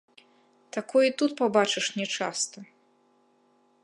Такое і тут пабачыш нячаста!